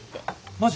マジ？